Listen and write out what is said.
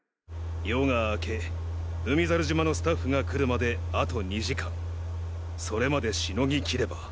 夜が明け海猿島のスタッフが来るまであと２時間それまでしのぎきれば。